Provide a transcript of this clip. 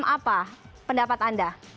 apa pendapat anda